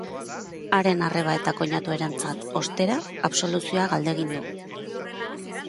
Haren arreba eta koinatuarentzat, ostera, absoluzioa galdegin du.